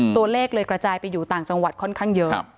ตัวเลขเลยกระจายไปอยู่ต่างจังหวัดค่อนข้างเยอะ